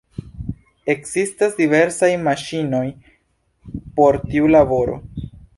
Ekzistas diversaj maŝinoj por tiu laboro.